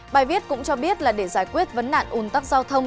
bài viết cũng cho biết là để giải quyết vấn nạn ủn tắc giao thông